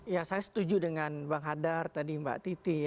ya saya setuju dengan bang hadar tadi mbak titi